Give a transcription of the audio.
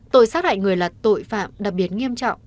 tội xác hại người là tội phạm đặc biệt nghiêm trọng